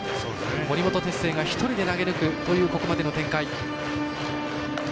森本哲星が１人で投げぬくというここまでの展開。